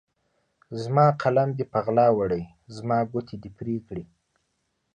زما قلم دې په غلا وړی، زما ګوتې دي پرې کړي